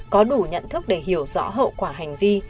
có đủ nhận thức để hiểu rõ hậu quả hành vi